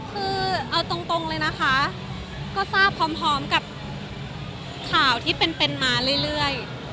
คือเอาตรงเลยนะคะก็ทราบพร้อมกับข่าวที่เป็นมาเรื่อย